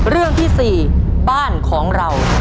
เรื่องที่๔บ้านของเรา